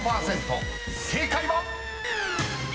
正解は⁉］